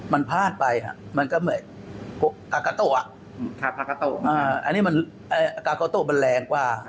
มันพลาดไปมันก็เหมือนกากาโตะอันนี้กากาโตะมันแรงกว่า